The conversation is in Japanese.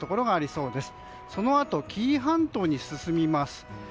そのあと紀伊半島に進みます。